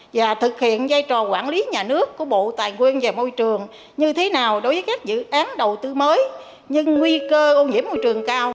và thực hiện giai trò quản lý nhà nước của bộ tài nguyên và môi trường như thế nào đối với các dự án đầu tư mới nhưng nguy cơ ô nhiễm môi trường cao